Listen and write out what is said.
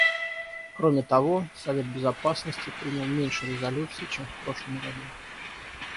Кроме того, Совет Безопасности принял меньше резолюций, чем в прошлом году.